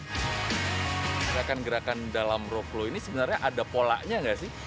gerakan gerakan dalam rope flow ini sebenarnya ada polanya nggak sih